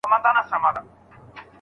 څوک د الله حقونه ادا کولای سي؟